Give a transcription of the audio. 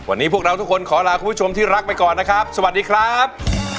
วันนี้พวกเราทุกคนขอลาคุณผู้ชมที่รักไปก่อนนะครับสวัสดีครับ